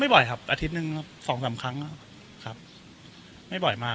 บ่อยครับอาทิตย์หนึ่งครับสองสามครั้งครับไม่บ่อยมาก